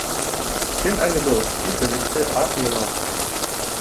— Кем әле был? — тип белеште аҡ йылан.